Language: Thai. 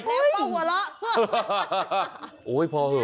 แลล์บก้องหวัดละ